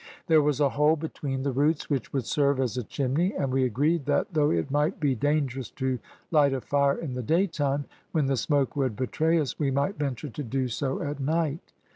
There was a hole between the roots which would serve as a chimney, and we agreed, that though it might be dangerous to light a fire in the daytime, when the smoke would betray us, we might venture to do so at night.